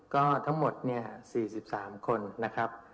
ก็ทั้งหมดเนี่ย๔๓คนนะครับ